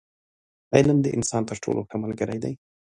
• علم، د انسان تر ټولو ښه ملګری دی.